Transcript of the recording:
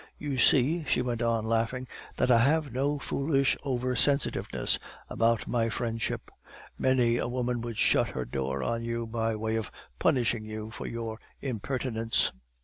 'You see,' she went on, laughing, 'that I have no foolish over sensitiveness about my friendship. Many a woman would shut her door on you by way of punishing you for your impertinence.